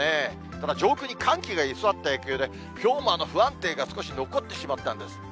ただ、上空に寒気が居座った影響で、きょうも不安定が少し残ってしまったんです。